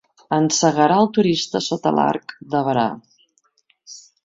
Encegarà el turista sota l'Arc de Berà.